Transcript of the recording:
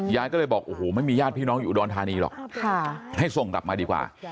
ยายก็เลยบอกโอ้โหไม่มีญาติพี่น้องอยู่อุดรธานีหรอกให้ส่งกลับมาดีกว่า